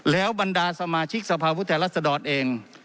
แล้วบรรดาสมาชิกสวรัฐธรรมนูนเอง